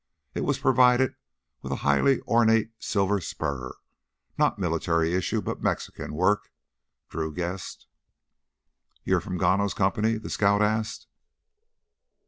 It was provided with a highly ornate silver spur, not military issue but Mexican work, Drew guessed. "You from Gano's Company?" the scout asked.